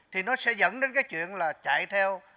thì nó sẽ dẫn đến cái chuyện là chạy theo